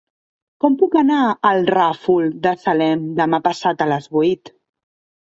Com puc anar al Ràfol de Salem demà passat a les vuit?